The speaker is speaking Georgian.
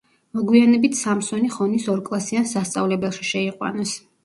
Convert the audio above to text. მოგვიანებით სამსონი ხონის ორკლასიან სასწავლებელში შეიყვანეს.